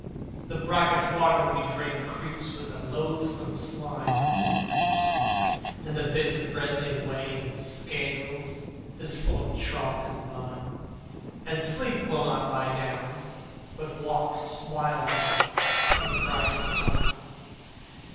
The brackish water that we drink Creeps with a loathsome slime, And the bitter bread they weigh in scales Is full of chalk and lime, And Sleep will not lie down, but walks Wild eyed, and cries to Time.